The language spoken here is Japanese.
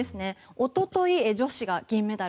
おととい、女子が銀メダル。